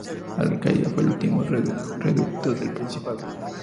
Arcadia fue el último reducto del Principado.